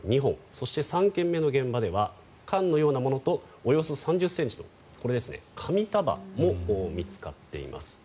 そして、３件目の現場では缶のようなものとおよそ３０ｃｍの紙束も見つかっています。